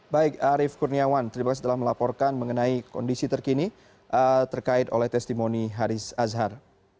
baik arief kurniawan terima kasih telah melaporkan mengenai kondisi terkini terkait oleh testimoni haris azhar